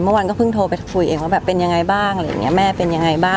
เมื่อวานก็เพิ่งโดรห์ไปคุยเองว่าเป็นยังไงบ้าง